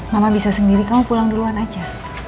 mama bisa sendiri kamu pulang duluan aja